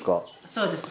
そうです。